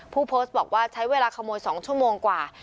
ผู้โพสต์บอกว่าใช้เวลาขโมย๒ชั่วโมงกว่า